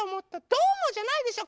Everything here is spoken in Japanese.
どうもじゃないでしょ。